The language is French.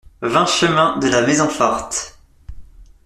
vingt chemin de la Maison Forte